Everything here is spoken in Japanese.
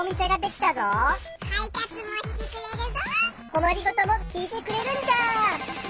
こまりごともきいてくれるんじゃ！